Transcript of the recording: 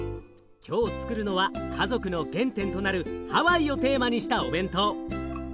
今日つくるのは家族の原点となるハワイをテーマにしたお弁当。